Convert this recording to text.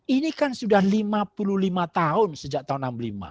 ini kan sudah lima puluh lima tahun sejak tahun seribu sembilan ratus enam puluh lima